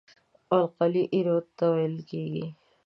القلي ایرو ته ویل کیږي.